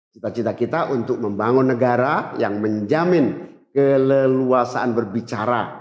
cita cita kita untuk membangun negara yang menjamin keleluasaan berbicara